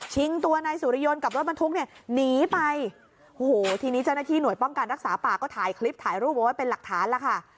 ตัวนายสุริยนต์กับรถบรรทุกเนี่ยหนีไปโอ้โหทีนี้เจ้าหน้าที่หน่วยป้องกันรักษาป่าก็ถ่ายคลิปถ่ายรูปเอาไว้เป็นหลักฐานแล้วค่ะ